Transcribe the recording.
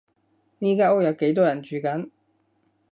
呢間屋有幾多人住緊？